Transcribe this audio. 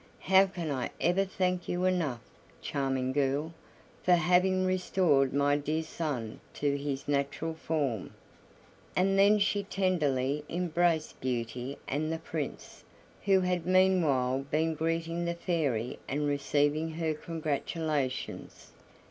"How can I ever thank you enough, charming girl, for having restored my dear son to his natural form?" And then she tenderly embraced Beauty and the Prince, who had meanwhile been greeting the Fairy and receiving her congratulations.